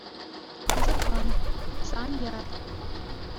Асӑрхан, тӑкса ан яр.